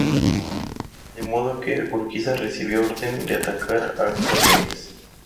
De modo que Urquiza recibió orden de atacar a Corrientes.